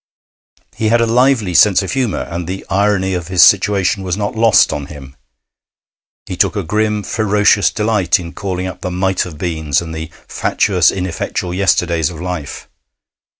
He had a lively sense of humour, and the irony of his situation was not lost on him. He took a grim, ferocious delight in calling up the might have beens and the 'fatuous ineffectual yesterdays' of life.